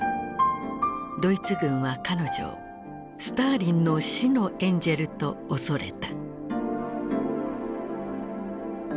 ドイツ軍は彼女を「スターリンの死のエンジェル」と恐れた。